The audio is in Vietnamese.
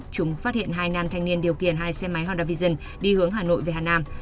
chúng phát hiện hai nam thanh niên điều khiển hai xe máy honda vision đi hướng hà nội về hà nam